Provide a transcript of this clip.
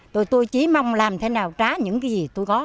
tụi tôi chỉ mong làm thế nào trá những cái gì tôi có